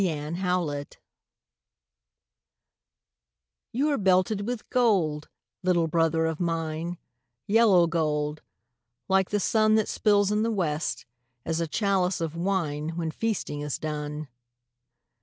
THE HOMING BEE You are belted with gold, little brother of mine, Yellow gold, like the sun That spills in the west, as a chalice of wine When feasting is done.